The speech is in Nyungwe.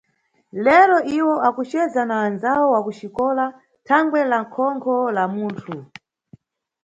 Lero iwo akuceza na andzawo wa kuxikola thangwe la khonkho la munthu.